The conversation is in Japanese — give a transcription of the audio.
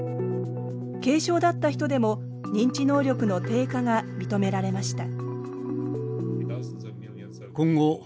軽症だった人でも認知能力の低下が認められました。